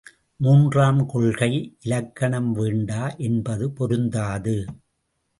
மூன்றாம் கொள்கை இலக்கணம் வேண்டா என்பது பொருந்தாது.